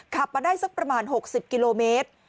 ขับมาได้สักประมาณ๖๐กิโลเมตร